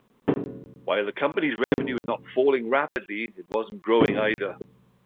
While the company's revenue was not falling rapidly, it wasn't growing, either.